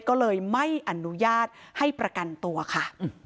ก็เลยไม่อนุญาตให้ประกันตัวค่ะ